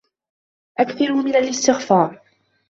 أكثروا من الاستغفار